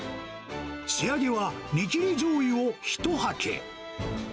仕上げは煮切りじょうゆを一はけ。